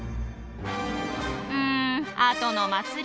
うんあとの祭り。